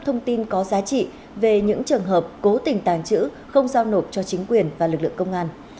thông tin có giá trị về những trường hợp cố tình tàn trữ không giao nộp cho chính quyền và lực lượng công an